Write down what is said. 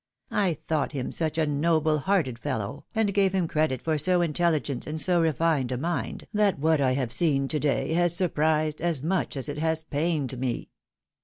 I thought him such a noble hearted fellow, and gave him credit for so intelligent and so refined a mind, that what I have seen to day has surprised, as much as it has pained me."